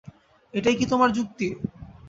এটাই কি তোমার যুক্তি?